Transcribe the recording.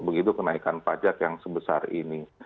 begitu kenaikan pajak yang sebesar ini